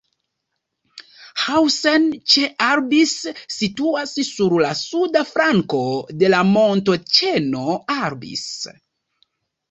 Hausen ĉe Albis situas sur la suda flanko de la montoĉeno Albis.